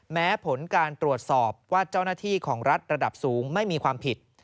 แม้ผลการตรวจสอบว่าเจ้าหน้าที่ของรัฐระดับสูงไม่มีความผิด